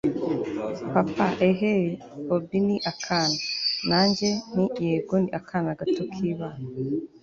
papa eeeeh! bobi ni akana!? nanjye nti yego ni akana gato kibana